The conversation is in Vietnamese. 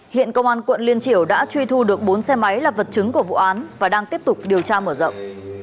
hiện công an quận liên triểu đã truy thu được bốn xe máy là vật chứng của vụ án và đang tiếp tục điều tra mở rộng